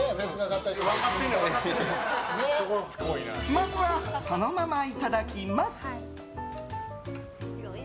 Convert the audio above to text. まずはそのままいただきます！